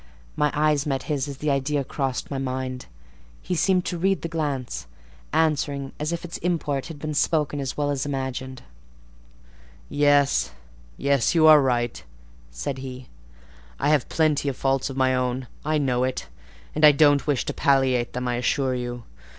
My eye met his as the idea crossed my mind: he seemed to read the glance, answering as if its import had been spoken as well as imagined— "Yes, yes, you are right," said he; "I have plenty of faults of my own: I know it, and I don't wish to palliate them, I assure you.